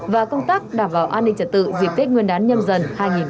và công tác đảm bảo an ninh trật tự dịp tết nguyên đán nhâm dần hai nghìn hai mươi bốn